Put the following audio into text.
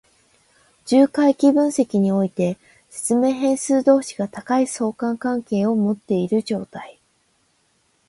重回帰分析において、説明変数同士が高い相関関係を持っている状態。